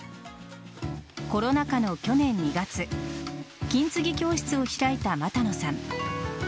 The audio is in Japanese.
コロナ禍の去年２月金継ぎ教室を開いた俣野さん。